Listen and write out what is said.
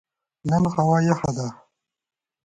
نن هوا یخه ده